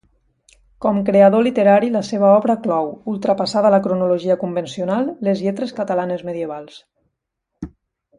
Com creador literari la seva obra clou, ultrapassada la cronologia convencional, les lletres catalanes medievals.